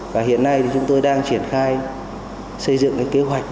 và hiện nay thì chúng tôi đang triển khai xây dựng cái kế hoạch